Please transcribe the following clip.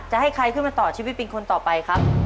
จะให้ใครขึ้นมาต่อชีวิตเป็นคนต่อไปครับ